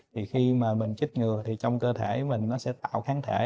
thì khi mà mình chích ngừa thì trong cơ thể mình nó sẽ tạo kháng thể